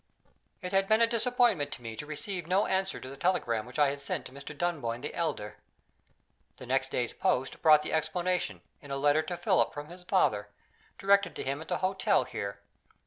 It had been a disappointment to me to receive no answer to the telegram which I had sent to Mr. Dunboyne the elder. The next day's post brought the explanation in a letter to Philip from his father, directed to him at the hotel here.